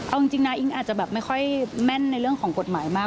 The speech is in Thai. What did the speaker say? เอาจริงนะอิ๊งอาจจะแบบไม่ค่อยแม่นในเรื่องของกฎหมายมาก